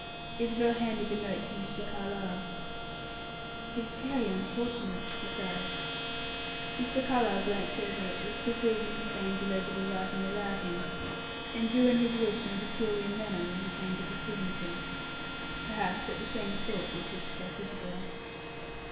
Isabel handed the note to Mr. Carlyle. "It is very unfortunate," she sighed. Mr. Carlyle glanced over it as quickly as Mrs. Vane's illegible writing allowed him, and drew in his lips in a peculiar manner when he came to the signature. Perhaps at the same thought which had struck Isabel.